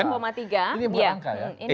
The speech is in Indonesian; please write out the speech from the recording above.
ini bukan angka ya